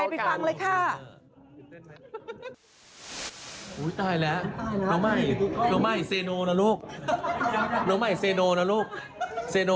บ้านพี่กล้ายังสร้างไม่เสร็จ